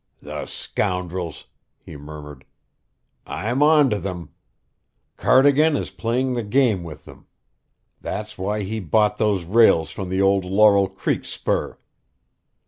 "The scoundrels!" he murmured. "I'm on to them! Cardigan is playing the game with them. That's why he bought those rails from the old Laurel Creek spur!